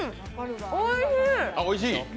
おいしい！